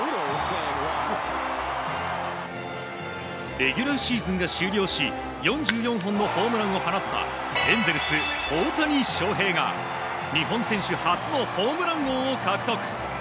レギュラーシーズンが終了し４４本のホームランを放ったエンゼルス、大谷翔平が日本選手初のホームラン王を獲得。